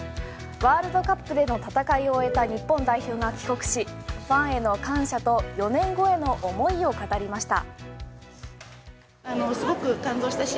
ワールドカップでの戦いを終えた日本代表が帰国しファンへの感謝と４年後への思いを語りました。